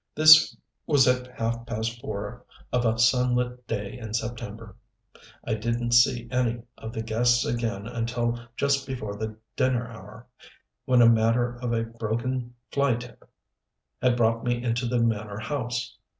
This was at half past four of a sunlit day in September. I didn't see any of the guests again until just before the dinner hour, when a matter of a broken fly tip had brought me into the manor house.